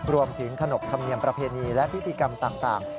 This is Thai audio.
รวมถึงขนกคำเนียมประเพณีและพิธีกรรมต่าง